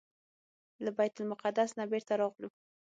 له بیت المقدس نه بیرته راغلو.